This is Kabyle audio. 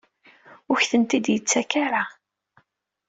Ur ak-tent-id-yettak ara?